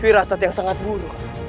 firasat yang sangat buruk